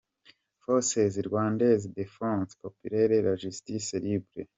Forces Rwandaise de Defense Populaire La Justice libre.